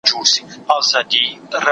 سرحدونه وساتو.